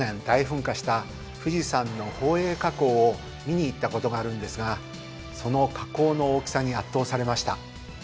大噴火した富士山の宝永火口を見に行ったことがあるんですがその火口の大きさに圧倒されました。